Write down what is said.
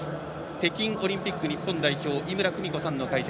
北京パラリンピック日本代表井村久美子さんの解説。